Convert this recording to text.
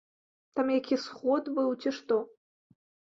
Там які сход быў, ці што?